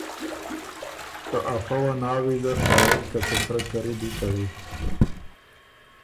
که افۀ وه نا ویزر، شاهد که څه سرۀ کری دی کوی